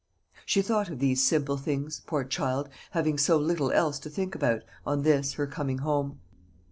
She thought of these simple things, poor child, having so little else to think about, on this, her coming home.